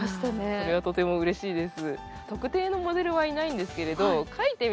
それはとてもうれしいです。